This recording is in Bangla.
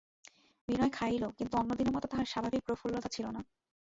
বিনয় খাইল, কিন্তু অন্য দিনের মতো তাহার স্বাভাবিক প্রফুল্লতা ছিল না।